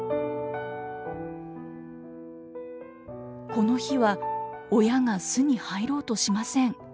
この日は親が巣に入ろうとしません。